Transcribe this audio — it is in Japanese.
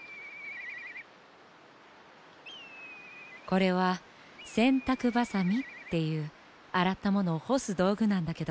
これはせんたくばさみっていうあらったものをほすどうぐなんだけど。